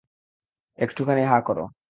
একটুখানি হা কর।